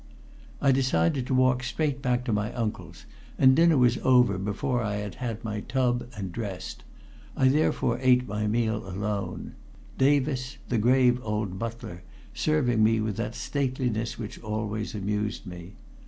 I decided to walk straight back to my uncle's, and dinner was over before I had had my tub and dressed. I therefore ate my meal alone, Davis, the grave old butler, serving me with that stateliness which always amused me.